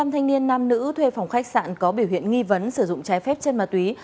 hai mươi năm thanh niên nam nữ thuê phòng khách sạn có biểu hiện nghi vấn sử dụng trái phép chân mà túy